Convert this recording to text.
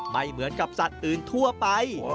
ไม่เหมือนกับสัตว์อื่นทั่วไป